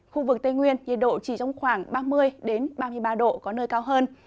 khu vực tây nguyên nhiệt độ chỉ trong khoảng ba mươi ba mươi ba độ có nơi cao hơn